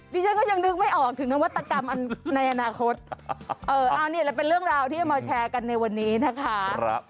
ดิฉันก็ยังนึกไม่ออกถึงนวัตกรรมอันในอนาคตอันนี้เลยเป็นเรื่องราวที่เอามาแชร์กันในวันนี้นะคะ